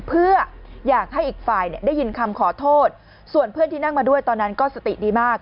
เพื่ออยากให้อีกฝ่ายได้ยินคำขอโทษส่วนเพื่อนที่นั่งมาด้วยตอนนั้นก็สติดีมาก